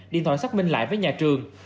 điện thoại xác minh lại với nhà trường